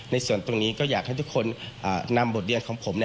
ในส่วนตรงนี้ก็อยากให้ทุกคนนำบทเรียนของผม